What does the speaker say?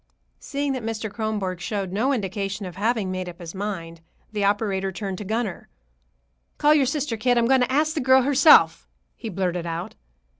Seeing that Mr. Kronborg showed no indication of having made up his mind, the operator turned to Gunner. "Call your sister, kid. I'm going to ask the girl herself," he blurted out.